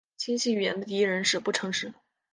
清晰语言的敌人是不诚实。